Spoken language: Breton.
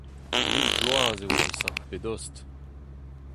Mil bloaz eo neuze pe dost !